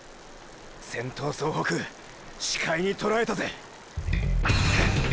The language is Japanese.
先頭総北視界にとらえたぜ！！